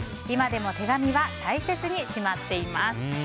今でも手紙は大切にしまっています。